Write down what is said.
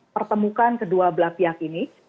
pertemukan kedua belah pihak ini